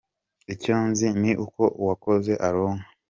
Icyo nzi ni uko uwakoze aronka.